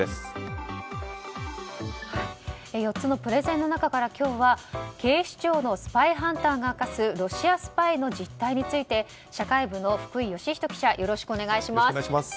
４つのプレゼンの中から今日は警視庁のスパイハンターが明かすロシアスパイの実態について社会部の福井慶仁記者よろしくお願いします。